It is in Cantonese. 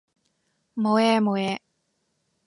冇嘢冇嘢